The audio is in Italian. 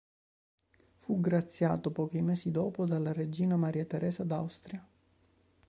Fu graziato pochi mesi dopo dalla regina Maria Teresa d'Austria.